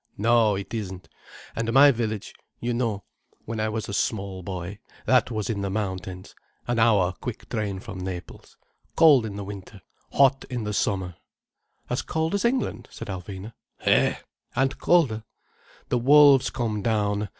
"No, it isn't. And my village, you know, when I was small boy, that was in the mountains, an hour quick train from Naples. Cold in the winter, hot in the summer—" "As cold as England?" said Alvina. "Hé—and colder. The wolves come down.